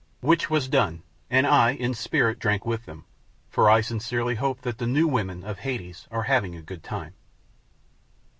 Which was done, and I, in spirit, drank with them, for I sincerely hope that the "New Women" of Hades are having a good time.